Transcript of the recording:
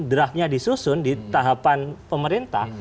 draftnya disusun di tahapan pemerintah